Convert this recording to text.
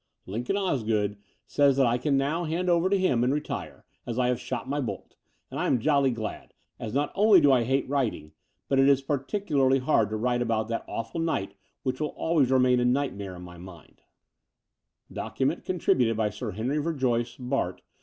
Lincoln Osgood says that I can now hand over to him and retire, as I have shot my bolt, and I am jolly glad, as not only do I hate writing, but it is particularly hard to write about that awful night which will always remain a nightmare in my mind DOCUMENT Contributed by Sir Henry Verjoyce, Bart.